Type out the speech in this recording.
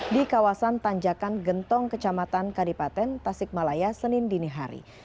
di kawasan tanjakan gentong kecamatan kadipaten tasikmalaya senin dinihari